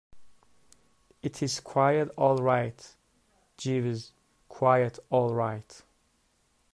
It is quite all right, Jeeves, quite all right.